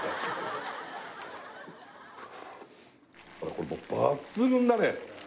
これもう抜群だね